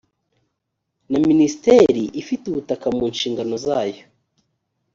na minisiteri ifite ubutaka mu nshingano zayo